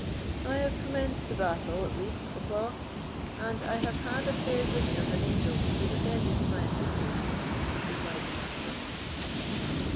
"I have commenced the battle, at least, Bucklaw, and I have had a fair vision of an angel who descended to my assistance," replied the Master.